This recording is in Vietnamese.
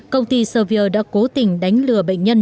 công ty sevier đã cố tình đánh lừa bệnh nhân